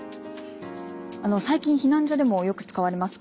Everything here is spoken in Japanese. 最近避難所でもよく使われます